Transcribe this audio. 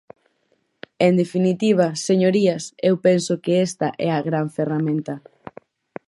En definitiva, señorías, eu penso que esta é a gran ferramenta.